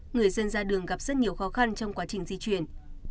người dân ra đường gặp rất nhiều khó khăn trong quá trình di chuyển